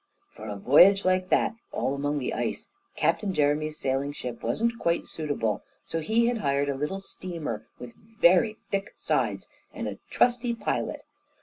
For a voyage like that, all among the ice, Captain Jeremy's sailing ship wasn't quite suitable, so he had hired a little steamer with very thick sides, and a trusty pilot.